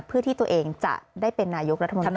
เพื่อที่ตัวเองจะได้เป็นนายกรัฐมนตรี